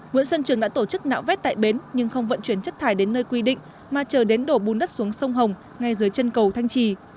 nguyễn xuân trường đã tổ chức nạo vét tại bến nhưng không vận chuyển chất thải đến nơi quy định mà chờ đến đổ bùn đất xuống sông hồng ngay dưới chân cầu thanh trì